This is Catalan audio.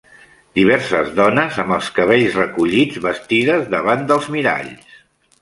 Diverses dones, amb els cabells recollits, vestides, davant dels miralls.